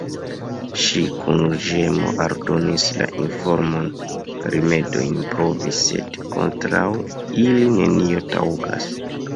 Ŝi kun ĝemo aldonis la informon: "Rimedojn mi provis, sed kontraŭ ili, nenio taŭgas."